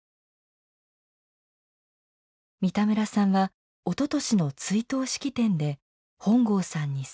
三田村さんはおととしの追悼式典で本郷さんに再会。